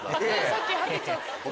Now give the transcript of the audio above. さっきはけちゃった。